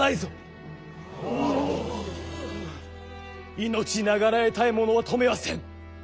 命長らえたい者は止めはせん。